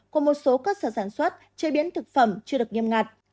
của một số cơ sở sản xuất chế biến thực phẩm chưa được nghiêm ngặt